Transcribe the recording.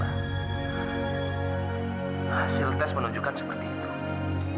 hasil tes menunjukkan seperti itu